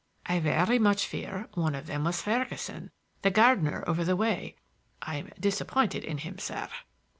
"I very much fear one of them was Ferguson, the gardener over the way. I'm disappointed in him, sir."